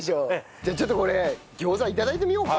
じゃあちょっとこれギョーザ頂いてみようか。